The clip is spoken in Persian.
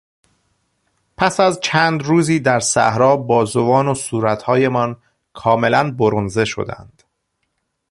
پس از چند روزی در صحرا بازوان و صورتهایمان کاملا برنزه شدند.